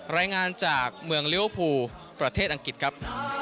รายงานจากเมืองลิเวอร์พูลประเทศอังกฤษครับ